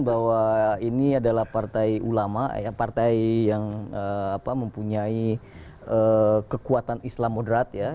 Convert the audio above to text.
bahwa ini adalah partai ulama partai yang mempunyai kekuatan islam moderat ya